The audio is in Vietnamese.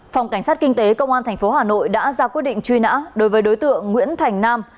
phòng cảnh sát kinh tế công an tp hà nội đã ra quyết định truy nã đối với đối tượng nguyễn thành nam